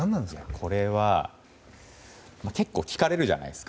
これは、結構聞かれるじゃないですか。